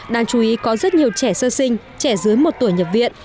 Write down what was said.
đáng chú ý có rất nhiều trẻ sơ sinh trẻ dưới một tuổi nhập viện